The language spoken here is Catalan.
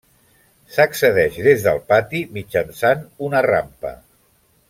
S'accedeix des del pati mitjançant una rampa.